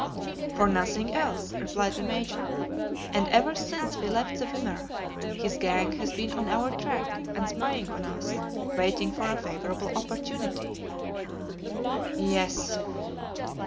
"For nothing else," replied the Major; "and ever since we left the Wimerra, his gang has been on our track and spying on us, waiting for a favorable opportunity." "Yes."